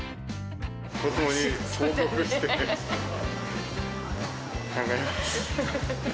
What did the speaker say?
子どもに報告して、考えます。